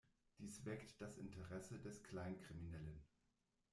Dies weckt das Interesse des Kleinkriminellen.